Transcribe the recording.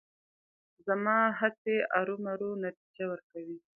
زما هڅې ارومرو نتیجه ورکوي.